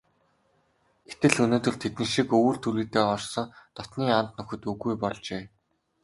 Гэтэл өнөөдөр тэдэн шиг өвөр түрийдээ орсон дотнын анд нөхөд үгүй болжээ.